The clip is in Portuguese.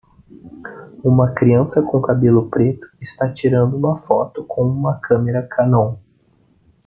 Uma criança com cabelo preto está tirando uma foto com uma câmera Canon.